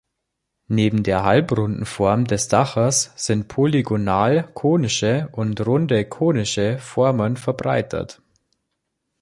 Neben der halbrunden Form des Daches sind polygonal konische und runde konische Formen verbreitet.